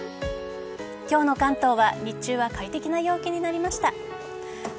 今日の関東は日中は快適な陽気になりました。